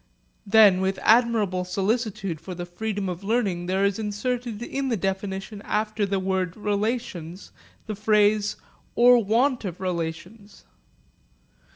Then with admirable solicitude for the freedom of learning there is inserted in the definition after the word 'relations' the phrase 'or want of relations.'